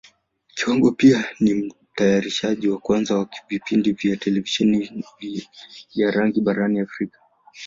Kiwango pia ni Mtayarishaji wa kwanza wa vipindi vya Televisheni ya rangi barani Africa.